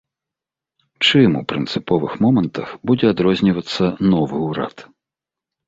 Чым у прынцыповых момантах будзе адрозніваецца новы ўрад?